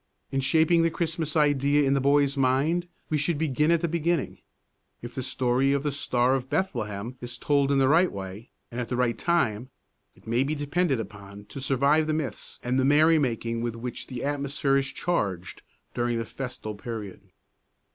In shaping the Christmas idea in the boy's mind we should begin at the beginning. If the story of the Star of Bethlehem is told in the right way and at the right time, it may be depended upon to survive the myths and the merry making with which the atmosphere is charged during the festal period.